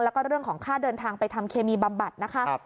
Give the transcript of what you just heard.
แล้วก็เรื่องของค่าเดินทางไปทำเคมีบำบัดนะคะ